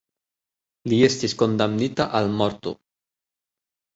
Li estis kondamnita al morto.